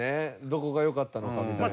どこがよかったのかみたいな。